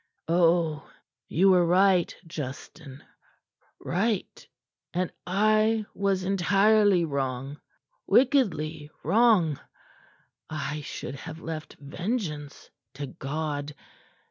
"Oh, you were right, Justin; right, and I was entirely wrong wickedly wrong. I should have left vengeance to God.